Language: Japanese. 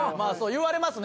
言われますね。